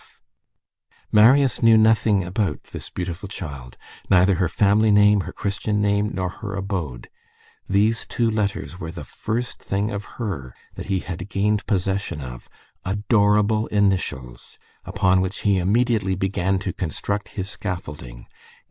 F. Marius knew nothing about this beautiful child,—neither her family name, her Christian name nor her abode; these two letters were the first thing of her that he had gained possession of, adorable initials, upon which he immediately began to construct his scaffolding.